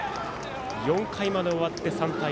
４回まで終わって３対２。